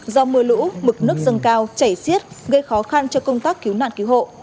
do mưa lũ mực nước dâng cao chảy xiết gây khó khăn cho công tác cứu nạn cứu hộ